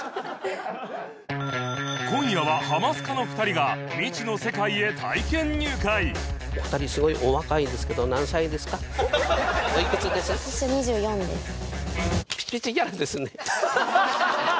今夜はハマスカの２人が未知の世界へ体験入会おいくつです？